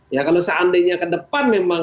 ya kalau seandainya ke depan memang